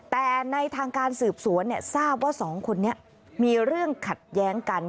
แต่ในทางการสืบสวนทราบว่า๒คนนี้มีเรื่องขัดแย้งกัน